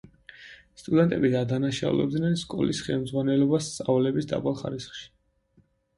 სტუდენტები ადანაშაულებდნენ სკოლის ხემძღვანელობას სწავლების დაბალ ხარისხში.